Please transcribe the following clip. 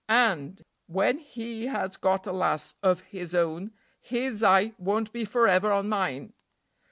and, when he has got a lass of his own, his eye won't be forever on mine."